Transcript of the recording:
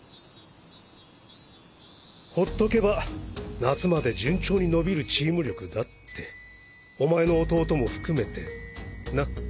ほっとけば夏まで順調に伸びるチーム力だってお前の弟も含めてな。